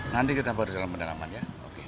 nanti kita bawa di dalam penerangan ya